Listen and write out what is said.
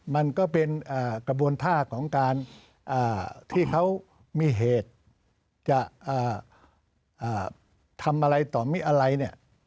มันก็เป็นกระบวนท่าของการที่เขามีเหตุจะทำอะไรต่อมิอะไรเนี่ย